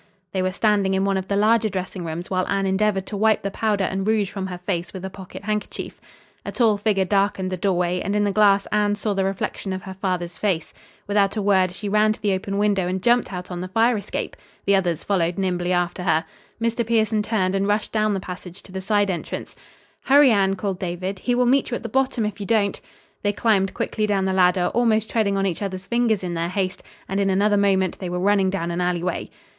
They were standing in one of the larger dressing rooms while Anne endeavored to wipe the powder and rouge from her face with a pocket handkerchief. A tall figure darkened the doorway, and in the glass Anne saw the reflection of her father's face. Without a word, she ran to the open window and jumped out on the fire escape. The others followed nimbly after her. Mr. Pierson turned and rushed down the passage to the side entrance. "Hurry, Anne!" called David. "He will meet you at the bottom if you don't." They climbed quickly down the ladder, almost treading on each other's fingers in their haste, and in another moment they were running down an alleyway.